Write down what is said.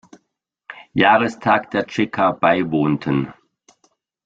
Jahrestag der Tscheka beiwohnten.